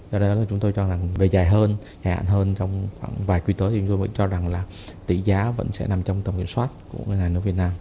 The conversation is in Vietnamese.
do đó chúng tôi cho rằng về giải hạn hơn trong khoảng vài kỳ tới thì chúng tôi cho rằng là tỷ giá vẫn sẽ nằm trong tầm kiểm soát của ngân hàng nước việt nam